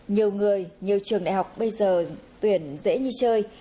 nhiều người nhiều trường đại học bây giờ tuyển dễ như chơi